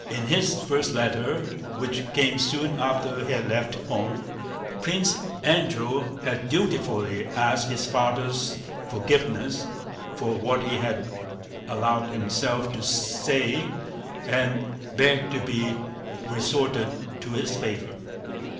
In his first letter which came soon after he had left home, Prince Andrew had dutifully asked his father's forgiveness for what he had allowed himself to say and begged to be restored to his favor.